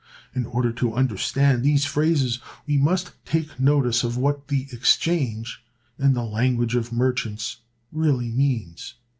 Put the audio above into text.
In order to understand these phrases, we must take notice of what "the exchange," in the language of merchants, really means.